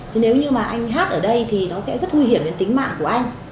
thì nếu như mà anh hát ở đây thì nó sẽ rất nguy hiểm đến tính mạng của anh